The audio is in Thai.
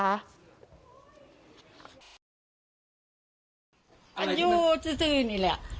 พันที่พ่อสิงจริงเจ๋อแดดไปไม่แล้ว